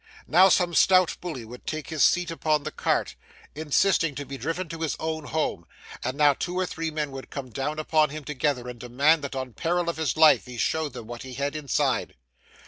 Now some stout bully would take his seat upon the cart, insisting to be driven to his own home, and now two or three men would come down upon him together, and demand that on peril of his life he showed them what he had inside.